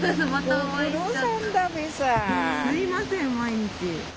すいません毎日。